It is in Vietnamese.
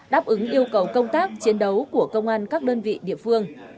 đáp ứng yêu cầu công tác chiến đấu của công an các đơn vị địa phương